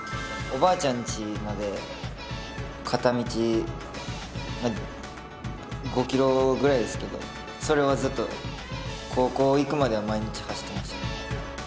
おばあちゃんちまで片道５ｋｍぐらいですけどそれはずっと高校行くまでは毎日走ってました。